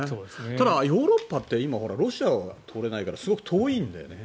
ただ、ヨーロッパって今、ロシアを通れないからすごく遠いんだよね。